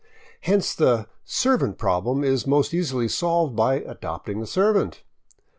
Hence the " servant problem " is most easily solved by adopting the servant.